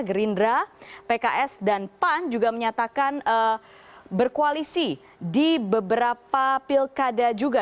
gerindra pks dan pan juga menyatakan berkoalisi di beberapa pilkada juga